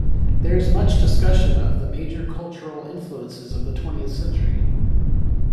There is much discussion of the major cultural influences of the twentieth century.